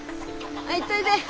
はい行っといで。